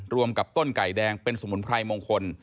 กับต้นไก่แดงเป็นสมุนไพรมงคล